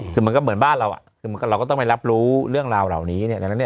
คือมันก็เหมือนบ้านเราเราก็ต้องไปรับรู้เรื่องราวเหล่านี้